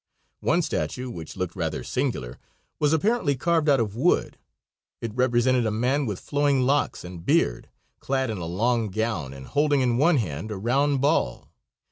One statue, which looked rather singular, was apparently carved out of wood. It represented a man with flowing locks and beard, clad in a long gown and holding in one hand a round ball.